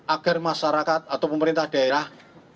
agar masyarakat atau pemerintah daerah